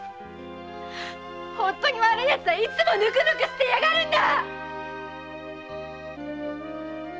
本当に悪いヤツはいつもヌクヌクしてやがるんだ！